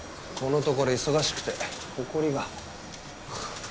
このところ忙しくてほこりが。